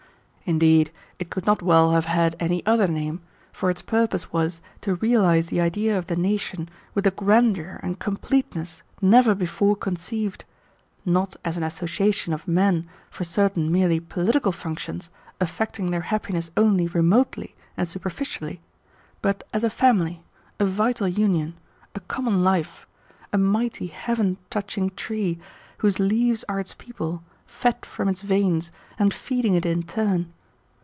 Indeed, it could not well have had any other name, for its purpose was to realize the idea of the nation with a grandeur and completeness never before conceived, not as an association of men for certain merely political functions affecting their happiness only remotely and superficially, but as a family, a vital union, a common life, a mighty heaven touching tree whose leaves are its people, fed from its veins, and feeding it in turn.